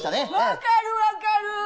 分かる分かるぅ！